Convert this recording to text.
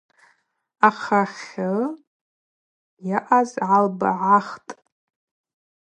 Ахъахьы йаъаз гӏалбгӏахтӏ.